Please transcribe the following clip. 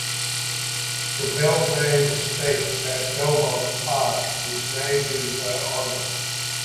The Beldame Stakes at Belmont Park is named in her honor.